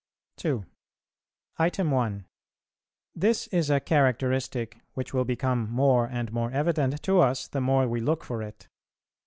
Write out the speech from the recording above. [339:1] 2. 1. This is a characteristic which will become more and more evident to us, the more we look for it.